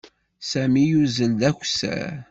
Sami yuzzel d akessar.